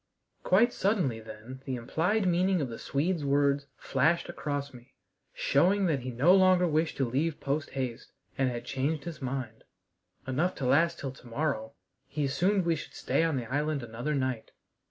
Quite suddenly then the implied meaning of the Swede's words flashed across me, showing that he no longer wished to leave posthaste, and had changed his mind. "Enough to last till to morrow" he assumed we should stay on the island another night.